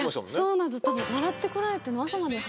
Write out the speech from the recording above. そうなんです。